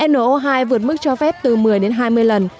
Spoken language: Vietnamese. no hai vượt mức cho phép từ một mươi đến hai mươi lần